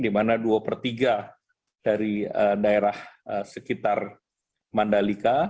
di mana dua per tiga dari daerah sekitar mandalika